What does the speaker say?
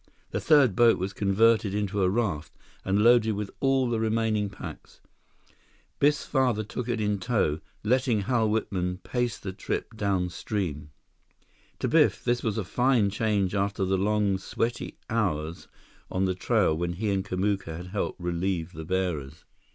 The third boat was converted into a raft and loaded with all the remaining packs. Biff's father took it in tow, letting Hal Whitman pace the trip downstream. To Biff, this was a fine change after the long, sweaty hours on the trail when he and Kamuka had helped relieve the bearers.